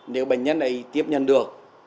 nếu bệnh nhân ấy tiếp nhận được